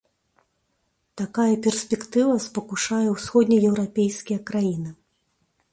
Такая перспектыва спакушае ўсходнееўрапейскія краіны.